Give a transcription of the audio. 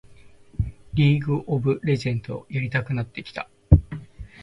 リーグ・オブ・レジェンドやりたくなってきた